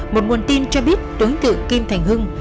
một nguồn tin cho biết đối tượng kim thành hưng